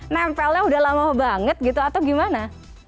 nempelnya udah lama banget gitu atau gimana